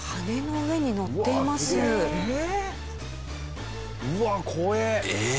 うわっ怖え！